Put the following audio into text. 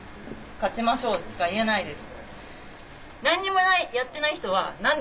勝ちましょうしか言えないです。